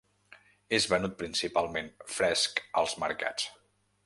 És venut principalment fresc als mercats.